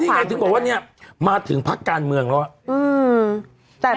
ไงถึงบอกว่าเนี่ยมาถึงพักการเมืองแล้ว